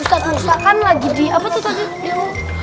ustadz musa kan lagi di apa tuh tadi